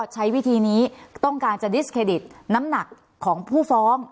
อ๋อใช้วิธีนี้ต้องการจะน้ำหนักของผู้ฟ้อง